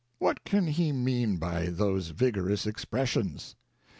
What can he mean by those vigorous expressions?